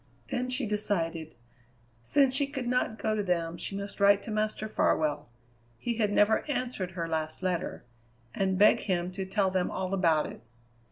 Then she decided: since she could not go to them she must write to Master Farwell, he had never answered her last letter, and beg him to tell them all about it.